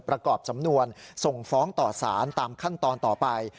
ประกอบสำนวนส่งฟ้องต่อสารตามขั้นตอนต่อไป